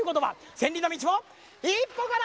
千里の道も一歩から！